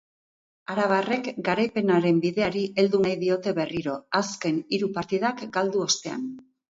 Arabarrek garaipenaren bideari heldu nahi diote berriro, azken hiru partidak galdu ostean.